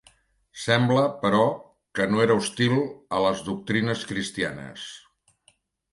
Sembla però, que no era hostil a les doctrines cristianes.